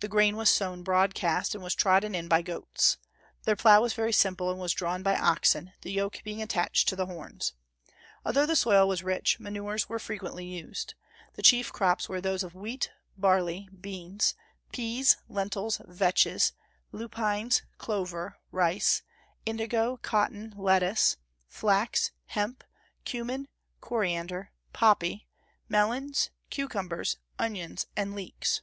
The grain was sown broadcast, and was trodden in by goats. Their plough was very simple, and was drawn by oxen; the yoke being attached to the horns. Although the soil was rich, manures were frequently used. The chief crops were those of wheat, barley, beans, peas, lentils, vetches, lupines, clover, rice, indigo, cotton, lettuce, flax, hemp, cumin, coriander, poppy, melons, cucumbers, onions, and leeks.